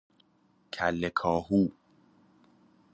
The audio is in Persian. کله کاهو